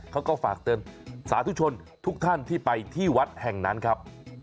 เขาก็ฝากเตือนสาธุชนทุกท่านที่ไปที่วัดแห่งนั้นครับ